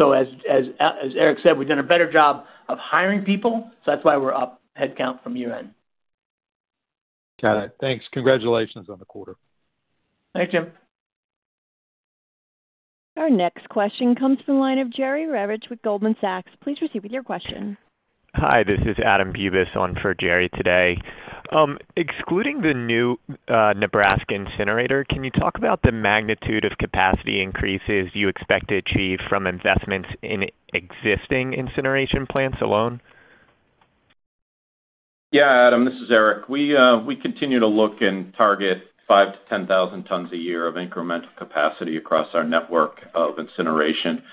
Eric said, we've done a better job of hiring people, so that's why we're up headcount from year-end. Got it. Thanks. Congratulations on the quarter. Thank you. Our next question comes from the line of Jerry Revich with Goldman Sachs. Please proceed with your question. Hi, this is Adam Bubes on for Jerry today. Excluding the new Nebraska incinerator, can you talk about the magnitude of capacity increases you expect to achieve from investments in existing incineration plants alone? Yeah, Adam, this is Eric. We continue to look and target 5,000 tons-10,000 tons a year of incremental capacity across our network of incineration.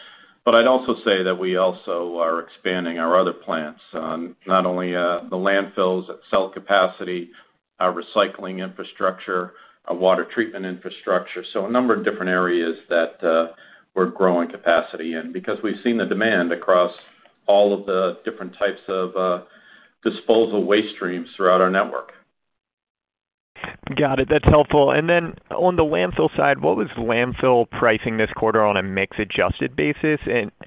I'd also say that we also are expanding our other plants, not only the landfills at cell capacity, our recycling infrastructure, our water treatment infrastructure. A number of different areas that we're growing capacity in because we've seen the demand across all of the different types of disposal waste streams throughout our network. Got it. That's helpful. On the landfill side, what was landfill pricing this quarter on a mix-adjusted basis?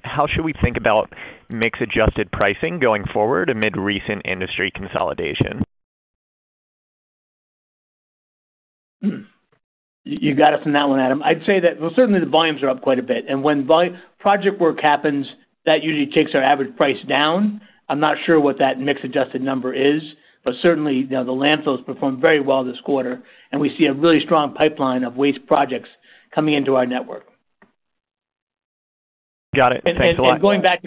How should we think about mix-adjusted pricing going forward amid recent industry consolidation? You got it from that one, Adam. I'd say that. Well, certainly the volumes are up quite a bit, and when project work happens, that usually takes our average price down. I'm not sure what that mix-adjusted number is, but certainly, you know, the landfills performed very well this quarter, and we see a really strong pipeline of waste projects coming into our network. Got it. Thanks a lot. Going back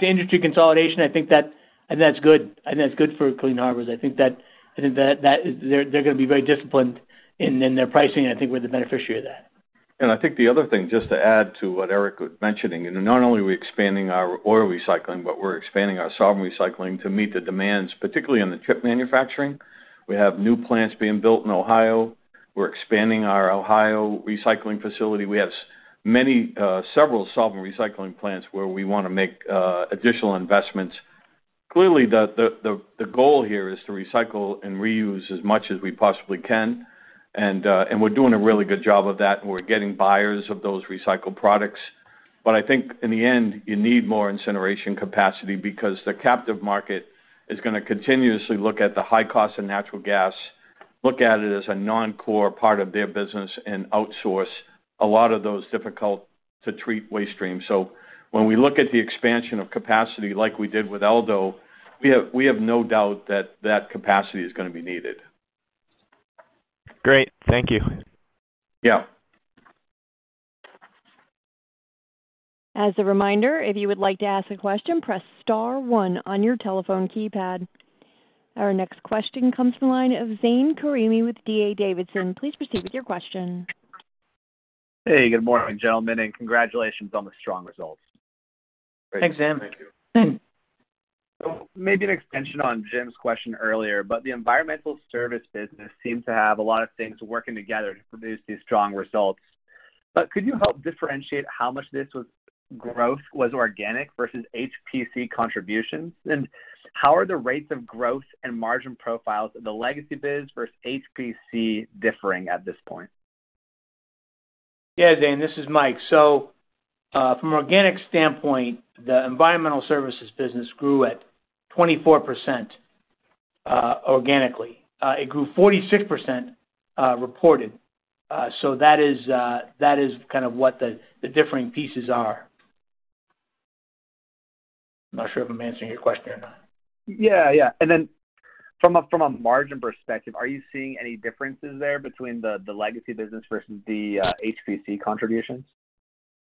to industry consolidation, I think that's good. I think that's good for Clean Harbors. They're gonna be very disciplined in their pricing, and I think we're the beneficiary of that. I think the other thing, just to add to what Eric was mentioning, you know, not only are we expanding our oil recycling, but we're expanding our solvent recycling to meet the demands, particularly in the chip manufacturing. We have new plants being built in Ohio. We're expanding our Ohio recycling facility. We have several solvent recycling plants where we wanna make additional investments. Clearly, the goal here is to recycle and reuse as much as we possibly can. We're doing a really good job of that. We're getting buyers of those recycled products. I think in the end, you need more incineration capacity because the captive market is gonna continuously look at the high cost of natural gas, look at it as a non-core part of their business and outsource a lot of those difficult-to-treat waste streams. When we look at the expansion of capacity like we did with El Do, we have no doubt that that capacity is gonna be needed. Great. Thank you. As a reminder, if you would like to ask a question, press star one on your telephone keypad. Our next question comes from the line of Zane Karimi with D.A. Davidson. Please proceed with your question. Hey, good morning, gentlemen, and congratulations on the strong results. Thanks, Zane. Thank you. Maybe an extension on Jim's question earlier, but the Environmental Service business seems to have a lot of things working together to produce these strong results. Could you help differentiate how much this growth was organic versus HPC contributions? How are the rates of growth and margin profiles of the legacy business versus HPC differing at this point? Yeah, Zane, this is Mike. From an organic standpoint, the Environmental Services business grew at 24% organically. It grew 46% reported. That is kind of what the differing pieces are. I'm not sure if I'm answering your question or not. Yeah, yeah. From a margin perspective, are you seeing any differences there between the legacy business versus the HPC contributions?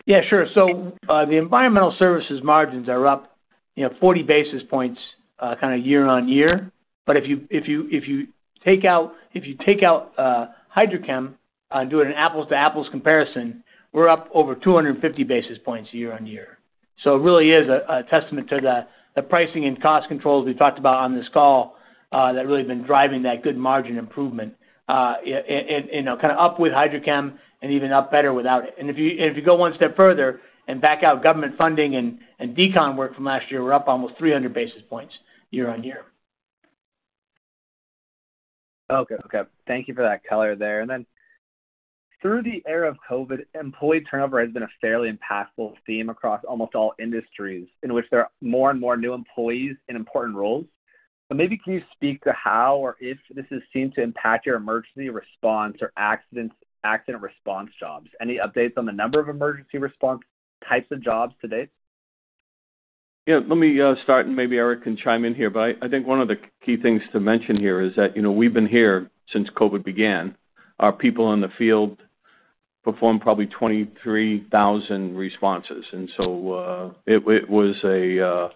Yeah, sure. The environmental services margins are up, you know, 40 basis points, kinda year-on-year. But if you take out HydroChem and do an apples-to-apples comparison, we're up over 250 basis points year-on-year. It really is a testament to the pricing and cost controls we've talked about on this call that really been driving that good margin improvement. You know, kinda up with HydroChem and even up better without it. If you go one step further and back out government funding and decon work from last year, we're up almost 300 basis points year-on-year. Okay. Thank you for that color there. Through the era of COVID, employee turnover has been a fairly impactful theme across almost all industries in which there are more and more new employees in important roles. Maybe can you speak to how or if this has seemed to impact your emergency response or accidents, accident response jobs? Any updates on the number of emergency response types of jobs to date? Yeah. Let me start, and maybe Eric can chime in here. I think one of the key things to mention here is that, you know, we've been here since COVID began. Our people in the field performed probably 23,000 responses, and it was a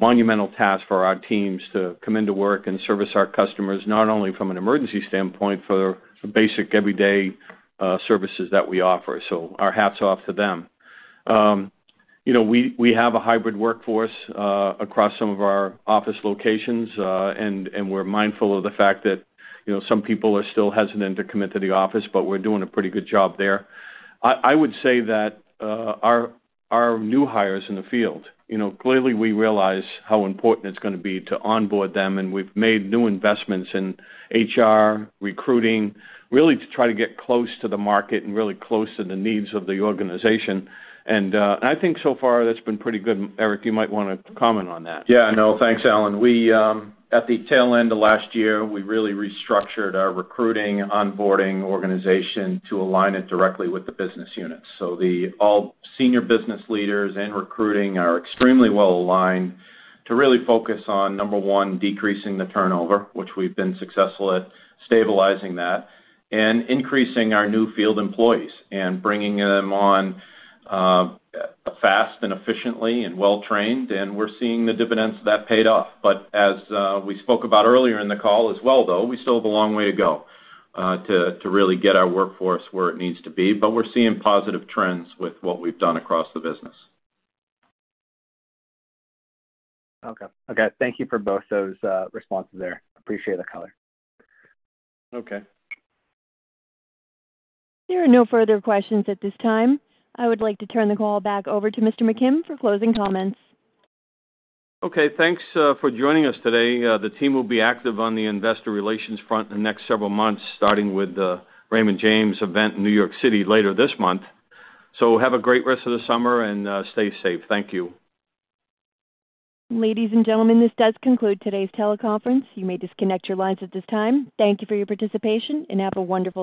monumental task for our teams to come into work and service our customers, not only from an emergency standpoint, for the basic everyday services that we offer. Our hats off to them. You know, we have a hybrid workforce across some of our office locations, and we're mindful of the fact that, you know, some people are still hesitant to commit to the office, but we're doing a pretty good job there. I would say that our new hires in the field, you know, clearly we realize how important it's gonna be to onboard them, and we've made new investments in HR, recruiting, really to try to get close to the market and really close to the needs of the organization. I think so far that's been pretty good. Eric, you might wanna comment on that. Yeah, no, thanks, Alan. We at the tail end of last year, we really restructured our recruiting, onboarding organization to align it directly with the business units. The all senior business leaders and recruiting are extremely well aligned to really focus on, number one, decreasing the turnover, which we've been successful at stabilizing that, and increasing our new field employees and bringing them on, fast and efficiently and well-trained, and we're seeing the dividends of that paid off. As we spoke about earlier in the call as well, though, we still have a long way to go, to really get our workforce where it needs to be, but we're seeing positive trends with what we've done across the business. Okay. Thank you for both those responses there. Appreciate the color. Okay. There are no further questions at this time. I would like to turn the call back over to Mr. McKim for closing comments. Okay, thanks, for joining us today. The team will be active on the Investor Relations front in the next several months, starting with Raymond James event in New York City later this month. Have a great rest of the summer and stay safe. Thank you. Ladies and gentlemen, this does conclude today's teleconference. You may disconnect your lines at this time. Thank you for your participation and have a wonderful day.